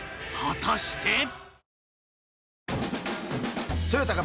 果たして